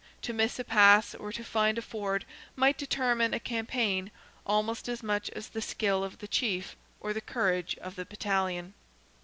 To miss a pass or to find a ford might determine a campaign, almost as much as the skill of the chief, or the courage of the battalion.